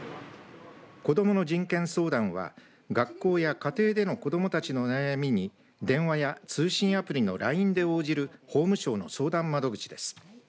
こどもの人権相談は学校や家庭での子どもたちの悩みに電話や通信アプリのＬＩＮＥで応じる法務省の相談窓口です。